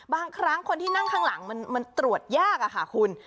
บางครั้งคนที่นั่งข้างหลังมันตรวจยากค่ะคุณ